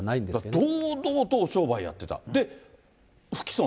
堂々とお商売をやってた。